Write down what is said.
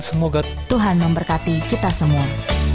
semoga tuhan memberkati kita semua